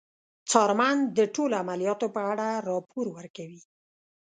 څارمن د ټولو عملیاتو په اړه راپور ورکوي.